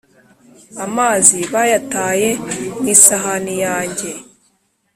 amazi bayataye mu isahani yanjye.”